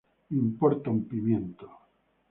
Me importa un pimiento